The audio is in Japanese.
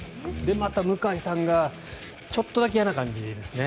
また、向井さんがちょっとだけ嫌な感じですね。